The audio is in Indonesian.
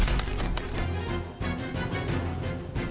penangkapan pelaku curian yang menangkap pelaku curian